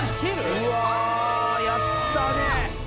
うわーやったね